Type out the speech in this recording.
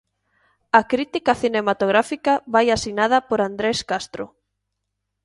A crítica cinematográfica vai asinada por Andrés Castro.